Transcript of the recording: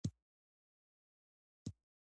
چې پر خپل برخلیک د فرد تسلط له منځه وړي.